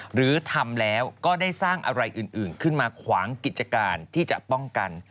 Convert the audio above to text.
หรือทำแล้วก็ได้สร้างอะไรอื่นขึ้นมาขวางกิจการที่จะป้องกัน